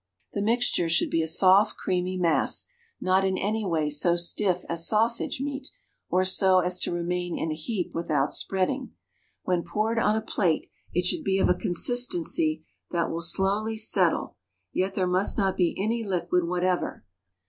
The mixture should be a soft, creamy mass, not in any way so stiff as sausage meat, or so as to remain in a heap without spreading; when poured on a plate, it should be of a consistency that will slowly settle, yet there must not be any liquid whatever.